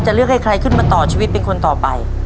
เลือกให้ใครขึ้นมาต่อชีวิตเป็นคนต่อไป